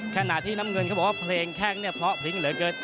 ขณะที่น้ำเงินเขาบอกว่าเพลงแข้งเนี่ยเพราะพริ้งเหลือเกิน